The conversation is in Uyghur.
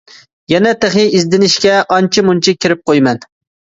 يەنە تېخى ئىزدىنىشكە ئانچە مۇنچە كىرىپ قۇيىمەن.